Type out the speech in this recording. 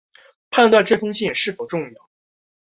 判断这封信是否重要